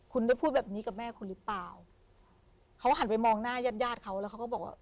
คุณได้พูดแบบนี้กับแม่คุณหรือเปล่าเขาหันไปมองหน้าญาติญาติเขาแล้วเขาก็บอกว่า